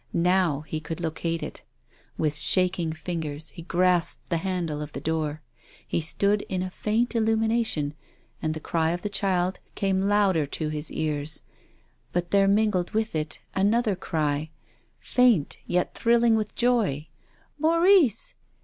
Now he could locate it. With sliaking fingers he grasped the handle of the door. He stood in a faint illumination, and the cry of tlie child came louder to his ears. But there mingled with it another cry, faint yet thrilling with joy : "Maurice!